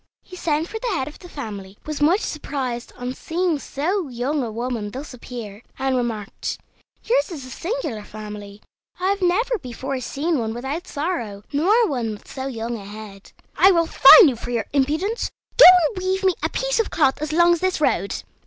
He sent for the head of the family, was much surprised on seeing so young a woman thus appear, and remarked: "Yours is a singular family. I have never before seen one without sorrow, nor one with so young a head. I will fine you for your impudence. Go and weave me a piece of cloth as long as this road."